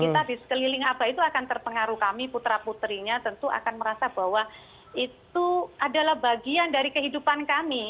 kita di sekeliling abah itu akan terpengaruh kami putra putrinya tentu akan merasa bahwa itu adalah bagian dari kehidupan kami